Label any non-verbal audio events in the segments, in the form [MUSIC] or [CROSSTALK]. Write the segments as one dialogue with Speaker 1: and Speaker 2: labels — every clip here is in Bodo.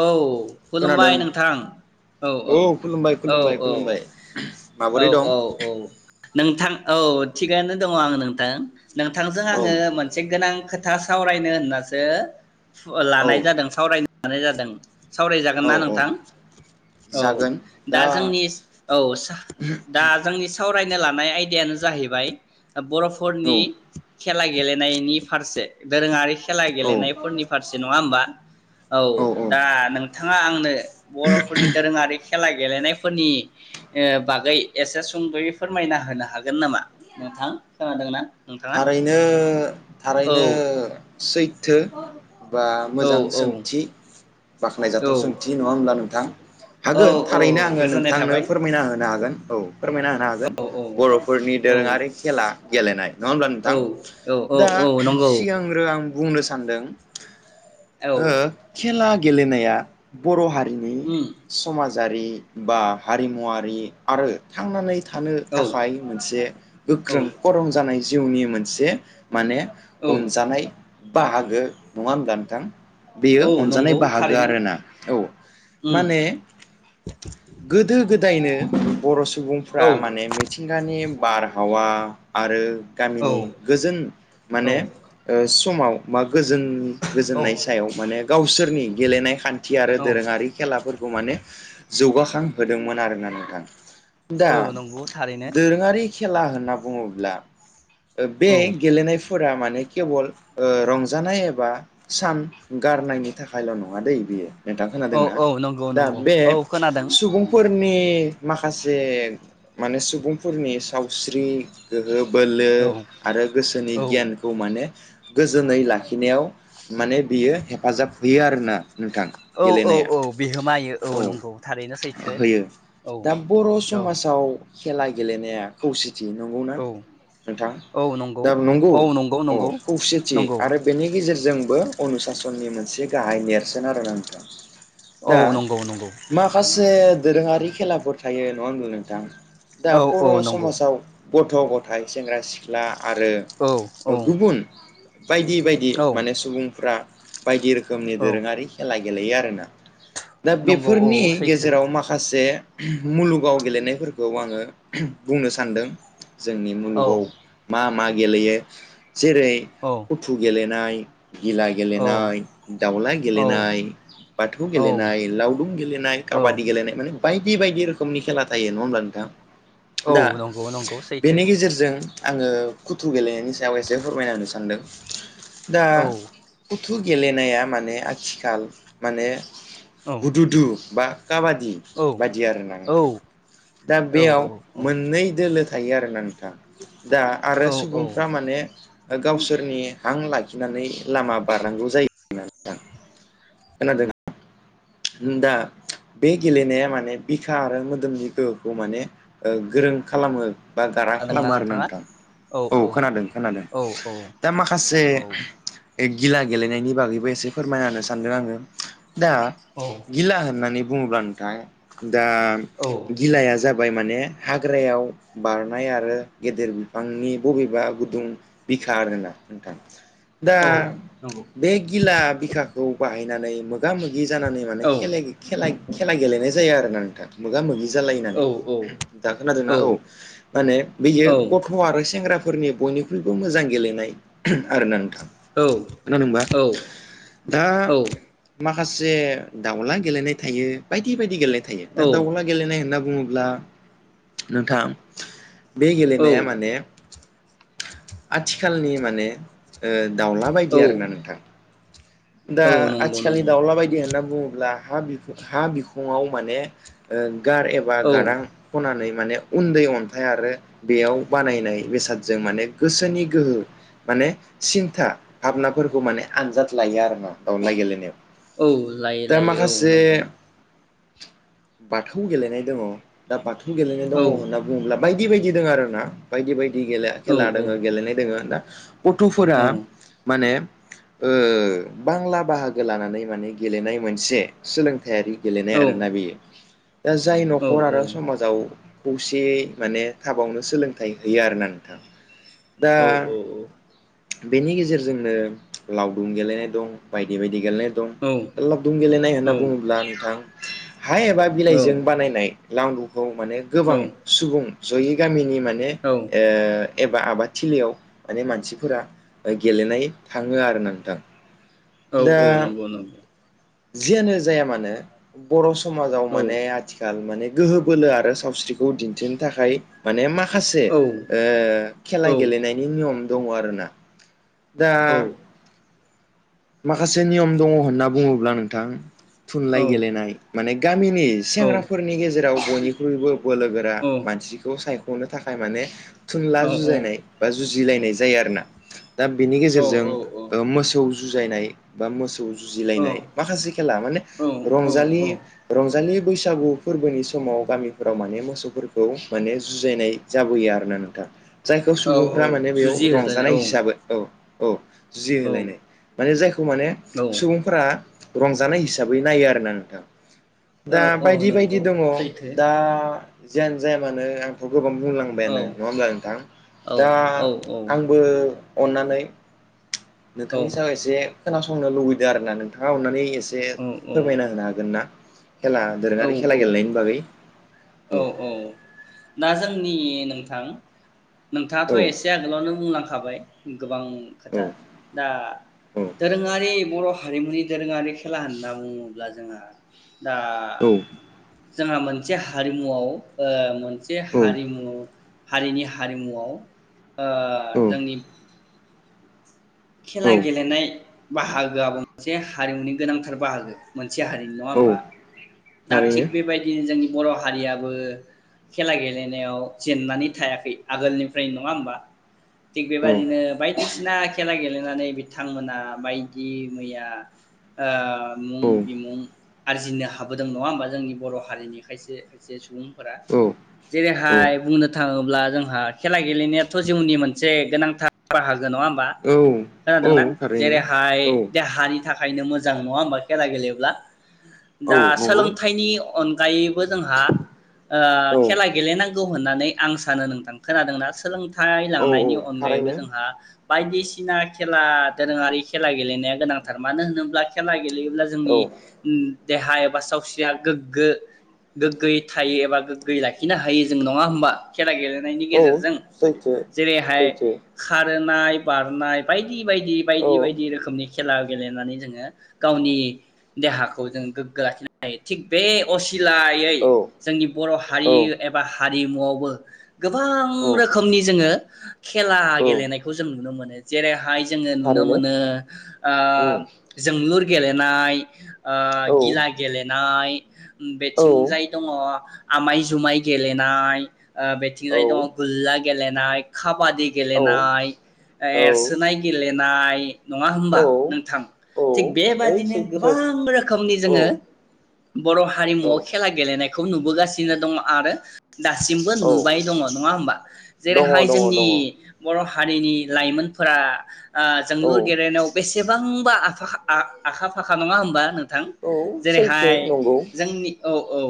Speaker 1: औ खुलुमबाय
Speaker 2: खोनादों
Speaker 1: नोंथां औ औ
Speaker 2: खुलुमबाय
Speaker 1: औ
Speaker 2: खुलुमबाय
Speaker 1: औ
Speaker 2: खुलुमबाय
Speaker 1: औ
Speaker 2: माबोरै दं
Speaker 1: औ औ नोंथां औ थिगानो दङ आं नोंथां। नोंथांजों
Speaker 2: औ
Speaker 1: आङो मोनसे गोनां खोथा खोथा सावरायनो होननासो
Speaker 2: औ
Speaker 1: लानाय जादों सावराय लानाय जादों सावरायजागोन
Speaker 2: औ
Speaker 1: ना
Speaker 2: औ
Speaker 1: नोंथां औ दा जोंनि औ सा दा जोंनि सावराय नो लानाय आयदायानो जाहैबाय
Speaker 2: औ
Speaker 1: बर'फोरनि खेला गेलेनायनि फारसे दोरोङारि खेला
Speaker 2: औ
Speaker 1: गेलेनायफोरनि फारसे नङा होमबा औ दा नोंथाङा आंनो बर'फोरनि दोरोङारि खेला गेलेनायफोरनि ओ बागै एसे सुंद'यै फोरमायना होनो हागोन नामा नोंथां खोनादोंना? नोंथाङा
Speaker 2: थारैनो
Speaker 1: औ
Speaker 2: थारैनो सै थो बा
Speaker 1: औ
Speaker 2: मोजां
Speaker 1: औ
Speaker 2: सोंथि
Speaker 1: औ
Speaker 2: बाख्नायजाथाव सोंथि नङा होमब्ला नोंथां
Speaker 1: औ
Speaker 2: हागोन
Speaker 1: औ
Speaker 2: थारैनो आङो
Speaker 1: गोजोननाय
Speaker 2: नोंथांनो
Speaker 1: थाबाय
Speaker 2: फोरमायना होनो हागोन औ फोरमायना होनो हागोन
Speaker 1: औ औ
Speaker 2: बर'फोरनि
Speaker 1: औ
Speaker 2: दोरोङारि खेला गेलेनाय नङा होमब्ला
Speaker 1: औ
Speaker 2: नोंथां
Speaker 1: औ
Speaker 2: दा
Speaker 1: औ नंगौ
Speaker 2: सिगांग्रो आं बुंनो सानदों
Speaker 1: औ
Speaker 2: ओ खेला गेलेनाया बर' हा
Speaker 1: उम
Speaker 2: जारि बा हारिमुवारि आरो थांनानै थानो
Speaker 1: औ
Speaker 2: थाखाय मोनसे गोख्रों
Speaker 1: औ
Speaker 2: करम जानाय जिउनि मोनसे माने
Speaker 1: औ
Speaker 2: अनजानाय बाहागो नङा होमबा नोंथां? बेयो
Speaker 1: औ
Speaker 2: अनजानाय
Speaker 1: नंगौ
Speaker 2: बाहागो
Speaker 1: थारैनो
Speaker 2: आरोना औ
Speaker 1: उम
Speaker 2: माने गोदो गोदायनो बर'
Speaker 1: औ
Speaker 2: सुबुंफ्रा माने मिथिंगानि बार हावा आरो
Speaker 1: औ
Speaker 2: गामिनि गोजोन
Speaker 1: औ
Speaker 2: माने ओ समाव बा गोजोन गोजोननाय
Speaker 1: औ
Speaker 2: सायाव माने गावसोरनि गेलेनाय खान थि आरो
Speaker 1: औ
Speaker 2: दोरोङारि खेलाफोरखौ माने जौगाखांहोदोंमोन आरोना नोंथां दा
Speaker 1: औ नंगौ थारैनो
Speaker 2: दोरोंङारि खेला होनना बुङोब्ला बे
Speaker 1: औ
Speaker 2: गेलेनाय फोरा माने केेबल ओ रंजानाय एबा सान गारनायनि थाखायल नङादै बेयो । नोंथां
Speaker 1: औ
Speaker 2: खोनादोंना
Speaker 1: औ नंगौ
Speaker 2: दा
Speaker 1: नंगौ
Speaker 2: बे
Speaker 1: औ खोनादों
Speaker 2: सुबुंफोरनि मासे माखासे सुबुंफोरनि सावस्रि गोहो बो
Speaker 1: औ
Speaker 2: लो आरो गोसोनि
Speaker 1: औ
Speaker 2: गियानखौ माने गोजोनै लाखिनायाव माने बियो हेफाजाब होयो आरोना नोंथां
Speaker 1: औ औ
Speaker 2: गेलेनाया
Speaker 1: औ बिहोमा होयो औ नंगौ थारैनो सैथो
Speaker 2: होयो
Speaker 1: औ
Speaker 2: दा बर'
Speaker 1: औ।
Speaker 2: समाजाव खेला गेलेनाया खौसे जि नंगौ ना
Speaker 1: औ
Speaker 2: थां नंगौ
Speaker 1: औ
Speaker 2: औ
Speaker 1: नंगौ
Speaker 2: खौसेथि
Speaker 1: नंगौ
Speaker 2: आरो बेनि गेजेरजों जोंबो अनुसासननि मोनसे गाहाय नेरसोन आरो नोंथां ।
Speaker 1: औ
Speaker 2: दा
Speaker 1: नंगौ नंगौ
Speaker 2: माखासे दोरोङारि खेलाफोर थायो नङा होनबा नोंथां? दा
Speaker 1: औ औ
Speaker 2: बर'
Speaker 1: नंगौ
Speaker 2: समाजाव गथ' गथाय सेंग्रा सिख्ला
Speaker 1: औ
Speaker 2: आरो गुबुन बायदि बायदि
Speaker 1: औ
Speaker 2: माने सुबुंफ्रा बायदि रोखोमनि
Speaker 1: औ
Speaker 2: दोरोङारि खेला गेलेयो आरो आरोना? दा
Speaker 1: नंगौ औ
Speaker 2: बेफोरनि
Speaker 1: सैथो
Speaker 2: गेजेराव माखासे मुलुगाव गेलेनायफोरखौ आङो बुंनो सान्दों जोंनि औ मा मा गेलेयो जेरै
Speaker 1: औ
Speaker 2: उथु गेलेनाय [INAUDIBLE] गिला
Speaker 1: औ
Speaker 2: गेलेनाय दावला
Speaker 1: औ
Speaker 2: गेलेनाय बाथौ
Speaker 1: औ
Speaker 2: गेलेनाय लावदुम गेलेनाय
Speaker 1: औ
Speaker 2: काबादि गेलेनाय माने बायदि बायदि रोखोमनि खेला थायो नङा होमब्ला नोंथां
Speaker 1: औ
Speaker 2: दा
Speaker 1: नंगौ नंगौ सैथो
Speaker 2: बेनि गेजेरजों आङो खुथ्रु गेलेनायनि सायाव इसे फोरमायना होनो सानदों। दा
Speaker 1: औ
Speaker 2: थु गेलेनाया माने आथिखाल माने
Speaker 1: औ
Speaker 2: हुदुदु बा काबादि
Speaker 1: औ
Speaker 2: बायदि आरोना
Speaker 1: औ
Speaker 2: नोंथां दा
Speaker 1: औ
Speaker 2: बेयाव मोननै दोलो थायो आरोना नोंथां [INAUDIBLE] दा आरो
Speaker 1: औ औ
Speaker 2: सुबुंफ्रा माने गावसोरनि हां लाखिनानै लामा बारनांगौ जायो होननानै आं खोनादों दा बे गेलेनाया माने बिखा आरो मोदोमनि गोहोखौ माने गोरों खालामो बा गोरा
Speaker 1: जादोंना
Speaker 2: खालामो आरो
Speaker 1: नोंथाङा
Speaker 2: नोंथां औ खोनादों खोनादों
Speaker 1: औ औ
Speaker 2: दा माखासे
Speaker 1: औ नंगौ औ
Speaker 2: ओ गिला गेलेनायनि बागैबो एसे फोरमायना होनो सानदों आङो दा गिला होननानानै बुङोब्ला नोंथां दा गिलाया जाबाय माने हाग्रायाव बारनाय आरो गेदेर बिफांनि बबेबा गुदुं बिखा आरोना नोंथां। दा बे गिला बिखाखौ बाहायनो जानाय मो गामि जानानै माने खेलें खेला खेला गेलेनाय जायो आरोना नो मोगा मोगि जालायनानै दा खोनादोंना औ माने बेयो गथ आरो सेंग्रा फोरनि बयनिख्रुइबो मोजां गेलेनाय आरोना नोंथां। खोनादों ना दा मा जे दाउला गेलेनाय थायो बायदि बायदि गेले थायो दा दावउला गेलेनाय होनना बुं बुङोब्ला नोंथाङा बे गेलेनाया माने आथिखालनि माने दाउला बायदि
Speaker 1: औ
Speaker 2: आरोना नोंथां दा
Speaker 1: औ नंगौ
Speaker 2: आथिखालनि
Speaker 1: नंगौ
Speaker 2: दाउला बायदि होनना बु बुङोब्ला हा बिखङाव माने गार एबा
Speaker 1: औ
Speaker 2: गारां खनानै माने उन्दै अन्थाइ आरो बेयाव बानायनाय बेसादजों माने गोसोनि गोहो माने सिन्था भाबनाफोरखौ माने आनजाद लायो आरो दावनला गेलेनायाव
Speaker 1: औ लायो
Speaker 2: दा
Speaker 1: लायो औ
Speaker 2: माखासे
Speaker 1: नंगौ
Speaker 2: बाथौ गेलेनाय दङ दा बाथौ गेलेनाय दङ
Speaker 1: औ
Speaker 2: होनना बुङोब्ला बायदि बायदि दङ आरो ना बायदि बायदि। गेले
Speaker 1: औ
Speaker 2: खेला
Speaker 1: औ
Speaker 2: दोङो गेलेनाय दङ दा गथफोरा माने ओ बांला बाहागो लानानै माने गेलेनाय मोनसे सोलों फिथायारि गेलेनाय आरोना बेयो दा जाय न'खर आरो समाजाव खौसेयै माने थाबावनो सोलोंथाइ होयो आरो ना नोंथां। दा
Speaker 1: औ औ औ।
Speaker 2: बेनि गेजेरजोंनो लावदुम गेलेनाय दं बायदि बायदि गेलेनाय दं
Speaker 1: औ
Speaker 2: लाव दुम गेलेनाय होनना बुङोब्ला नोंथां हाय एबा
Speaker 1: औ
Speaker 2: बिलाइजों बानायनाय लांगु औ माने गोबां सुबुं जयै गामिनि माने ए एबा आबादथिलियाव माने मानसिफोरा ओ गेलेनाय थाङो आरो नोंथां ।
Speaker 1: औ औ नंगौ नंगौ।
Speaker 2: जियानो जाया मानो बर'सु समाजाव
Speaker 1: औ
Speaker 2: माने आथिखाल माने गोहो बोलो आरो सावस्रिखौ दिन्थिनो थाखाय माने माख खासे
Speaker 1: औ
Speaker 2: ओ
Speaker 1: औ
Speaker 2: खेला गेलेनायनि नियम दङ आरोना। दा
Speaker 1: औ
Speaker 2: माखासे नियम दङ होनना बुङोब्ला नोंथां थुनलाइ गेलेनाय माने गामिनि
Speaker 1: औ औ
Speaker 2: सेंग्राफोरनि गेजेराव बयनिख्रुइबो बोलो गोरा मानसिखौ सायख गनो थाखाय माने थुनला जुजायनाय बा जु बुजिलायनाय जायो आरो ना दा बेनि गेजेरजों मोसौ जुजायनाय बा मोस
Speaker 1: औ
Speaker 2: जुजिलायनाय माखासे खेला माने
Speaker 1: औ
Speaker 2: रंजालि
Speaker 1: औ औ
Speaker 2: रंजालि बैसागु फोरबोनि समाव गामिफोराव माने मोसौफोरखौ माने जुजायनाय जाबोयो आरोना नोंथां। जायखौ सुबुंफ्रा माने बेयाव
Speaker 1: जुजि होज्लायनाय
Speaker 2: रंजानाय
Speaker 1: औ
Speaker 2: हिसाबै औ औ जुजि
Speaker 1: औ
Speaker 2: होलायनाय। जायखौ माने
Speaker 1: औ
Speaker 2: सुबुंफोरा रंजानाय हिसाबै नायो आरोना नोंथां?
Speaker 1: औ
Speaker 2: दा
Speaker 1: औ
Speaker 2: बायदि बायदि
Speaker 1: नंगौ
Speaker 2: दङ
Speaker 1: सैथो
Speaker 2: दा जियानो जाया मानो आंखौ गोबां
Speaker 1: औ
Speaker 2: बुंलांबायानो नङा होमब्ला नोंथां
Speaker 1: औ
Speaker 2: दा
Speaker 1: औ
Speaker 2: आंबो अन्नानै
Speaker 1: औ
Speaker 2: इसे खोनासंनो लुबैदों आरो ना नोंथाङा अननानै- एसे
Speaker 1: औ
Speaker 2: फोरमायना होनो हागोन ना? खेला दोरोङारि खेला गेलेनायनि बागै औ
Speaker 1: ना जोंनि नोंथां नोंथाङाथ
Speaker 2: औ
Speaker 1: एसे आगोलावनो बुंलां खाबाय गोबां
Speaker 2: औ
Speaker 1: खोथा दा
Speaker 2: औ
Speaker 1: दोरोंङारि बर' हारिमुनि दोरोङारि खेला होनना बुङोब्ला जोङा दा
Speaker 2: औ
Speaker 1: जोंहा मोनसे हारिमुवआव ओ मोन से
Speaker 2: औ
Speaker 1: हारिमु हारिनि हारिमुआव ओ जोंनि
Speaker 2: औ
Speaker 1: खेला गेलेनाय बाहागोआब मोनसे हारिमुनि गोनांथार बाहागो मोन से हारिनि नङा
Speaker 2: औ
Speaker 1: होमबा दा थिग
Speaker 2: थारैनो
Speaker 1: बेबायदिनो जोंनि बर' हारियाबो खेला गेलेनायाव जेननानै थायाखै आगोलनिफ्राय नङा होमबा थिग
Speaker 2: औ
Speaker 1: बेबायदिनो बायदिसिना खेला गेलेनानै बिथांमोना बायदि मैया ओ बानमुं
Speaker 2: औ
Speaker 1: बिमुं आरजिनो हाबोदों नङा होमबा जोंनि बर हारिनि खायसे खायसे सुबुं- फोरा
Speaker 2: औ औ
Speaker 1: जेरैहाय बुंनो थाङोब्ला जोंहा खेला गेलेनायाथ जिउनि मोनसे गोनांथार बाहागो नङा होम
Speaker 2: औ औ
Speaker 1: खोनादोंना
Speaker 2: थारैनो
Speaker 1: जेरैहाय
Speaker 2: औ
Speaker 1: बे हारि थाखायनो मोजां नङा होमबा खेला गेलेब्ला
Speaker 2: औ
Speaker 1: दा
Speaker 2: नंगौ
Speaker 1: सोलोंथाइनि अनगायैबो जोंहा
Speaker 2: औ
Speaker 1: खेला गेलेनांगौ होननानै आं सानो नोंथां खोनादोंना सोलोंथाइ
Speaker 2: औ
Speaker 1: लांनायनि अनगायैबो
Speaker 2: थारैनो
Speaker 1: जोंहा बायदिसिना। बायदिसिना खेला दोरोङारि खेला गेलेनाया गोनांथार मानो होनोब्ला खेला गेलेयोब्ला जोंनि
Speaker 2: औ
Speaker 1: ओ देहा एबा सावस्रिया गोग्गो गोग्गोयै थायो एबा गोग्गोयै लाखिनो हायो जों नङा होमबा खेला गेलेनायनि
Speaker 2: औ
Speaker 1: गेजेरजों
Speaker 2: सैथो
Speaker 1: जेरैहाय
Speaker 2: सैथो
Speaker 1: खारो नाय बार। नाय बायदि बायदि बायदि
Speaker 2: औ
Speaker 1: बायदि रोखोमनि खेला गेलेनानै जोङो गावनि देहाखौ जों गोग्गो लाखिनो हायो थिग बे असिलायै
Speaker 2: औ
Speaker 1: जोंनि बर' हारि
Speaker 2: औ
Speaker 1: एबा हारिमुआवबो गोबां
Speaker 2: औ
Speaker 1: रोखोमनि जोङो खेला
Speaker 2: औ
Speaker 1: गेलेनायखौ जों नुनो मोनो। जेरै हाय जोङो नुनो
Speaker 2: थारैनो
Speaker 1: मोनो
Speaker 2: उम
Speaker 1: जोंलुर गेलेनाय
Speaker 2: औ
Speaker 1: गिला गेलेनाय
Speaker 2: औ
Speaker 1: बेथिंजाय दङ आमाय जुमाय गेलेनाय बेथिंजाय
Speaker 2: औ
Speaker 1: दङ गुरला गेलेनाय काबादि
Speaker 2: औ
Speaker 1: गेलेनाय।
Speaker 2: औ
Speaker 1: एरसोनाय गेलेनाय नङा होमबा नोंथां
Speaker 2: औ
Speaker 1: थिग
Speaker 2: ओइ
Speaker 1: बेबादिनो
Speaker 2: सैथो
Speaker 1: गोबां रोखोम खोमसि
Speaker 2: औ
Speaker 1: जोङो बर'
Speaker 2: औ
Speaker 1: हारिमुआव खेला गेलेनायखौ नुबोगासिनो दङ' आरो दासिमबो
Speaker 2: औ
Speaker 1: नुबाय दङ' नङा होमबा?
Speaker 2: दङ
Speaker 1: जेरैहाय
Speaker 2: दङ
Speaker 1: जोंनि।
Speaker 2: दङ
Speaker 1: बर' हारिनि लाइमोनफोरा
Speaker 2: औ
Speaker 1: जोंलुर गेलेनायाव बेसेबांबा आखा फाखा नङा होनबा नोंथां।
Speaker 2: औ सैथो
Speaker 1: जेरैहाय
Speaker 2: नंगौ
Speaker 1: जोंनि औ औ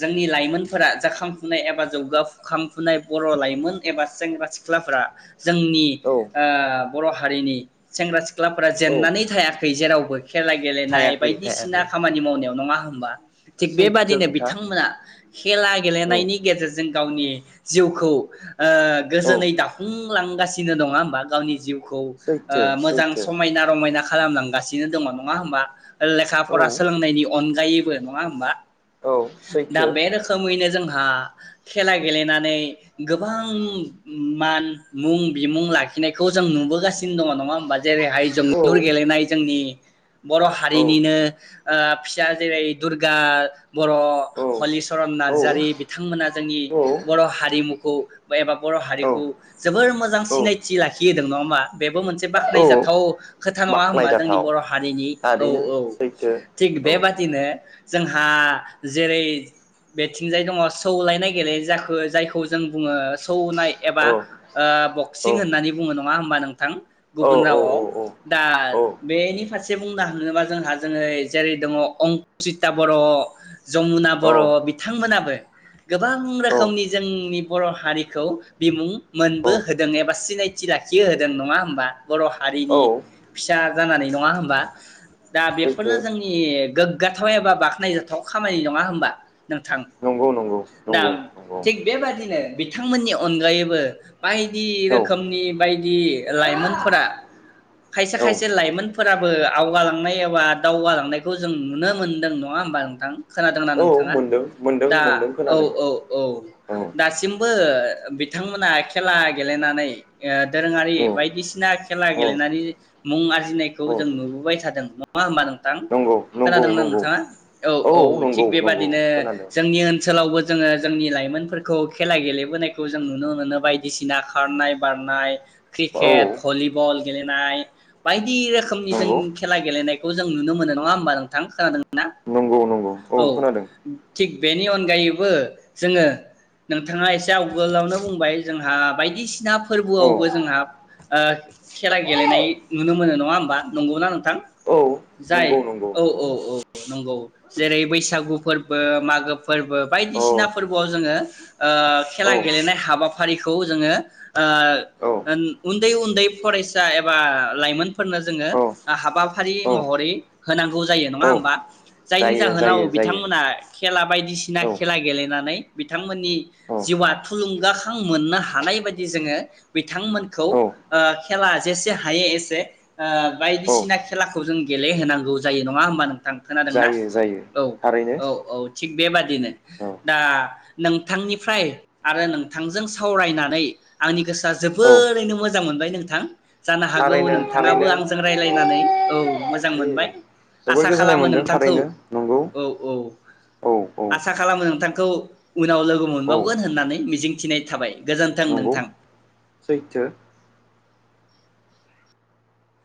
Speaker 1: जोंनि लाइमोनफोरा जाखांफुनाय एबा जौगाफुखांफुनाय बर' लाइमोन एबा सेंग्रा सिख्लाफोरा जोंनि। ओ
Speaker 2: औ
Speaker 1: बर' हारिनि सेंग्रा सिख्लाफोरा
Speaker 2: औ
Speaker 1: जेननानै थायाखै जेरावबो। खेला गेलेनाय
Speaker 2: थायाखै
Speaker 1: बायदिसिना
Speaker 2: थायाखै
Speaker 1: खामानि मावनायाव नङा हो होमबा थिग
Speaker 2: सैथो
Speaker 1: बेबादिनो
Speaker 2: खोथा
Speaker 1: बिथांमोना खेला
Speaker 2: औ
Speaker 1: गेलेनायनि गेजेरजों। गावनि जिउखौ
Speaker 2: औ
Speaker 1: गोजोनै दाफुंलांगासिनो दङ। नङा होमबा गावनि जिउ। खौ
Speaker 2: सैथो
Speaker 1: मोजां
Speaker 2: सैथो
Speaker 1: समायना रमायना खालामनांगौ गासिनो दङ नङा होमबा? लेखाफोरा
Speaker 2: औ
Speaker 1: सोलोंनायनि अन जायोबो नङा होमबा।
Speaker 2: औ
Speaker 1: दा
Speaker 2: सैथो
Speaker 1: बे रोखोमैनो जों आ खेला गेलेनानै गोबां मान मुं बिमुं ला लाखिनायखौ जों नुबोगासिनो दङ नङा होमबा जेरैहाय
Speaker 2: औ
Speaker 1: जोलुर गेलेनाय जोंनि बर'
Speaker 2: औ
Speaker 1: हारिनिनो फिसा जेरै दुर्गा बर'
Speaker 2: औ
Speaker 1: हलिचरन नार्जारि बिथांमोना जोंनि
Speaker 2: औ
Speaker 1: बर' हारिमुखौ एबा बर' हारिखौ
Speaker 2: औ
Speaker 1: जोबोर मोजां
Speaker 2: औ
Speaker 1: सिनाय थि लाखि होदों नङा होमबा बेबो मोनसे
Speaker 2: औ
Speaker 1: बाख्नायजाथाव खोथा नङा होनबा जोंनि
Speaker 2: बाख्नायजाथाव
Speaker 1: बर' हारिनि औ
Speaker 2: थारैनो
Speaker 1: औ
Speaker 2: सैथो
Speaker 1: थिग
Speaker 2: औ
Speaker 1: बेबादिनो जोंहा जेरै बेथिंजाय दङ सौलायनाय गेले जाखो जायखौ जों बुङो स सौनाय एबा
Speaker 2: औ
Speaker 1: ओ बक
Speaker 2: औ
Speaker 1: सिं होननानै बुङो नङा होमबा नोंथां
Speaker 2: औ
Speaker 1: गुबुन
Speaker 2: औ
Speaker 1: रावआव दा
Speaker 2: औ
Speaker 1: बेनि फारसे बुंनो थाङोबा जोंहा जोङो जेरै दङ अंकुसिता बर' जमुना बर' बिथांमोनाबो गोबां रोखोमनि जोंनि बर' हारिखौ बिमुं मोनबो हो दों एबा सिनायथि लाखि होदों नङा होमबा, बर'
Speaker 2: औ
Speaker 1: हारिनि फिसा जानानै नङा होमबा? दा
Speaker 2: सैथो
Speaker 1: बेफोरनो जोंनि गो गोथाव एबा बाख्नायजाथाव खामानि नङा होनबा नोंथां
Speaker 2: नंगौ नंगौ
Speaker 1: दा
Speaker 2: नंगौ नंगौ
Speaker 1: थिग बेबादिनो बिथांमोननि अनगायैबो बाय दि
Speaker 2: औ
Speaker 1: रोखोमनि बायदि लाइमोनफोरा खायसे
Speaker 2: औ
Speaker 1: खायसे लाइमोनफोराबो आवगालांनाय एबा दावगालांनायखौ जों नुनो मोन्दों नङा ओमबा नोंथां खोनादों ना
Speaker 2: औ
Speaker 1: नों थाङा
Speaker 2: मोनदों मोनदों
Speaker 1: दा
Speaker 2: मोनदों
Speaker 1: औ
Speaker 2: खोनादों
Speaker 1: औ औ।
Speaker 2: औ
Speaker 1: दासिमबो बिथांमोना खेला गेलेनानै ओ दोरोङारि
Speaker 2: औ
Speaker 1: बायदिसिना खेला
Speaker 2: औ
Speaker 1: गेलेनानै मुं आरजिनायखौ
Speaker 2: औ
Speaker 1: जों नुबोबाय थादों नङा होमबा नोंथां
Speaker 2: नंगौ नंगौ
Speaker 1: खोनादोंना
Speaker 2: नंगौ
Speaker 1: नोंथाङा औ औ थिग
Speaker 2: नंगौ नंगौ
Speaker 1: बेबादिनो
Speaker 2: खोनादों
Speaker 1: जोंनि ओनसोलावबो जोङो जोंनि लाइमोनफोरखौ खेला गेलेबोनायखौ जों नुनो मोनो बायदिसिना। खारनाय बारनाय
Speaker 2: औ
Speaker 1: क्रिकेट भलिबल गेलेनाय बायदि रोखोमनि जों
Speaker 2: नंगौ
Speaker 1: खेला गेलेनायखौ जों नुनो मोनो नङा ओमबा नोंथां खोनादों ना
Speaker 2: नंगौ नंगौ
Speaker 1: औ
Speaker 2: खोनादों
Speaker 1: थिग बेनि अनगायैबो जोङो नोंथाङा एसे आवगोलावनो बुंबाय जोंहा बायदिसिना
Speaker 2: औ
Speaker 1: फोरबोआवबो जोंहा ओ खेला गेलेनाय नुनो मोनो नङा होमबा नंगौना नोंथां
Speaker 2: औ
Speaker 1: जाय
Speaker 2: नंगौ नंगौ
Speaker 1: औ
Speaker 2: नंगौ
Speaker 1: औ औ नंगौ जेरै बैसागु फोर्बो मागो फोर्बो बायदिसिना
Speaker 2: औ
Speaker 1: फोर्बोआव जोङो ओ खेला
Speaker 2: औ
Speaker 1: गेलेनाय हाबाफारिखौ जोङो ओ
Speaker 2: औ
Speaker 1: ओन उन्दै उन्दै फरायसा एबा लाइमोनफोरनो जोङो
Speaker 2: औ
Speaker 1: आ हाबाफारि
Speaker 2: औ
Speaker 1: महरै होनांगौ जायो नङा
Speaker 2: औ
Speaker 1: होमबा जायनि
Speaker 2: जायो
Speaker 1: जाहोनाव
Speaker 2: जायो जायो
Speaker 1: बिथांमोना खेला बाय दिसिना
Speaker 2: औ
Speaker 1: खेला गेलेनानै बिथांमोननि
Speaker 2: औ
Speaker 1: जिउआ थुलुंगाखां मोननो हा हानाय बायदि जोङो बिथांमोनखौ
Speaker 2: औ
Speaker 1: ओ खेला जेसे हायो एसे ओ
Speaker 2: औ
Speaker 1: बायदिसिना खेलाखौ जों गेलेहोनांगौ जायो नङा होमबा नोंथां। खोनादोंना?
Speaker 2: जायो जायो
Speaker 1: औ
Speaker 2: थारैनो
Speaker 1: औ औ थिग बेबादिनो
Speaker 2: औ
Speaker 1: दा नोंथांनिफ्राय आरो नोंथांजों सावरायना नै आंनि गोसोआ
Speaker 2: औ
Speaker 1: जोबोरैनो मोजां मोनबाय नोंथां जानो हागौ
Speaker 2: थारैनो
Speaker 1: नोंथाङाबो
Speaker 2: थारैनो
Speaker 1: आंजों
Speaker 2: औ
Speaker 1: रायलायनानै औ। मोजां
Speaker 2: ए
Speaker 1: मोनबाय।
Speaker 2: जोबोर
Speaker 1: आसा
Speaker 2: गोजोननाय
Speaker 1: खालामो
Speaker 2: मोनदों
Speaker 1: नोंथांखौ,
Speaker 2: थारैनो नंगौ
Speaker 1: औ औ,
Speaker 2: औ औ
Speaker 1: आसा खालामो नोंथां खौ उनाव लोगो
Speaker 2: औ
Speaker 1: मोनबावगोन होननानै मिजिंथिनाय थाबाय। गोजोन्थों
Speaker 2: नंगौ
Speaker 1: नोंथां।
Speaker 2: सैथो